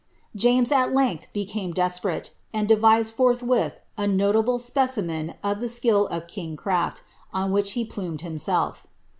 Jamei,!! length, became desperate, and devised fonhwiiL a notuble specimui uf the skill ' in^ craJ't, on which lie plumed himeclf.